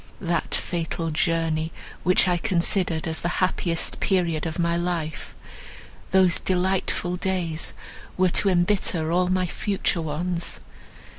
That fatal journey! which I considered as the happiest period of my life—those delightful days were to embitter all my future ones.